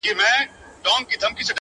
اصل خطا نلري، کم اصل وفا نه لري.